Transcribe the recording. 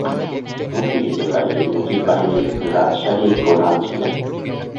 মুক্তিযুদ্ধকালে মুজিব বাহিনীর রাজশাহীর প্রধান ছিলেন।